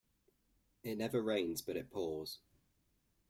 It never rains but it pours.